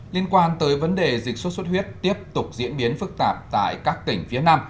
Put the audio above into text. liên quan tới vấn đề dịch sốt xuất huyết tiếp tục diễn biến phức tạp tại các tỉnh phía nam